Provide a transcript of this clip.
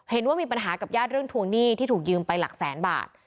เห็นว่ามีปัญหากับญาติเรื่องทวงหนี้ที่ถูกยืมไปหลักแสนบาท